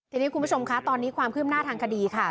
ทีนี้คุณผู้ชมคะตอนนี้ความคืบหน้าทางคดีค่ะ